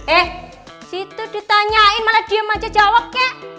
eh situ ditanyain malah diem aja jawabnya